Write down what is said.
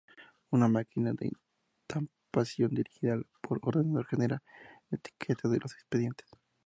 Una máquina de estampación dirigida por ordenador genera etiquetas de los expedientes.